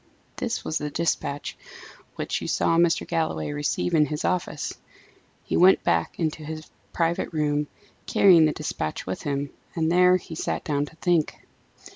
This was the despatch which you saw Mr. Galloway receive in his office. He went back into his private room, carrying the despatch with him, and there he sat down to think.